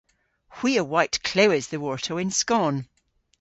Hwi a wayt klewes dhyworto yn skon.